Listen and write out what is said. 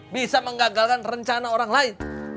bisa menggagalkan rencana orang lain